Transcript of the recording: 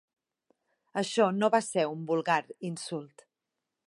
Això no va ser un vulgar insult.